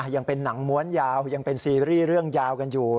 ยังเป็นหนังม้วนยาวยังเป็นซีรีส์เรื่องยาวกันอยู่